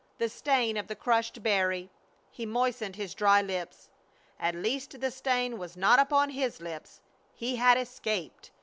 The stain of the crushed berry. He moistened his dry lips. At least the stain was not upon his lips. He had escaped.